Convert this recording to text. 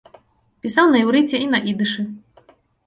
Пісаў на іўрыце і на ідышы.